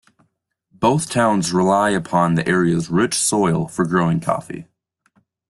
Both towns rely upon the area's rich soil for growing coffee.